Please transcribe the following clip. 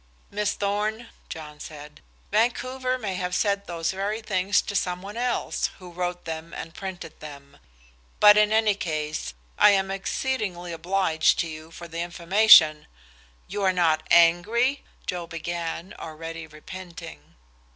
"Miss Thorn," John said, "Vancouver may have said those very things to some one else, who wrote them and printed them. But in any case, I am exceedingly obliged to you for the information" "You are not angry?" Joe began, already repenting.